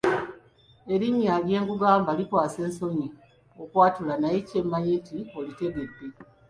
Erinnya lyenkugamba likwasa n'ensonyi okwatula naye kye mmanyi nti olitegedde.